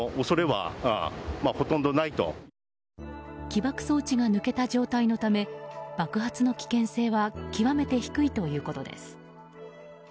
起爆装置が抜けた状態のため爆発の危険性は極めて低いということです。